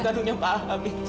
aku anak kanunya mbak hamid